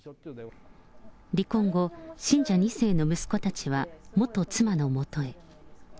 離婚後、信者２世の息子たちは、元妻のもとへ。